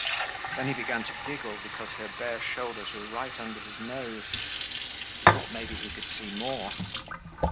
Then he began to giggle because her bare shoulders were right under his nose. He thought maybe he could see more.